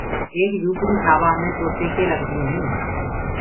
ايڪ جُهپڙي ٺآوآ مي دو ٽيڪينٚ لگديٚونٚ هينٚ۔